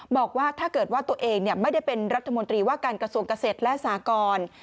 บอกว่าถ้าเกิดว่าตัวเองไม่ได้เป็นรัฐมนตรีว่าการกระทรวงเกษตรและสากร